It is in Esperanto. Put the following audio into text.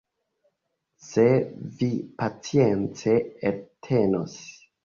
Se vi pacience eltenos.